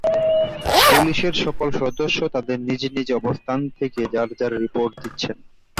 পুলিশের সকল দল তাদের নিজ নিজ অবস্থানে থেকে যা যার রিপোর্ট দিচ্ছেন।